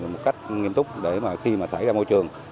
một cách nghiêm túc để mà khi mà xảy ra môi trường